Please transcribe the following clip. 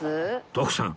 徳さん